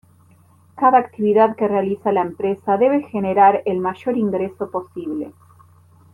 Cada actividad que realiza la empresa debe generar el mayor ingreso posible.